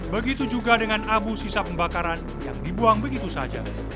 begitu juga dengan abu sisa pembakaran yang dibuang begitu saja